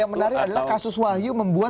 yang menarik adalah kasus wahyu membuat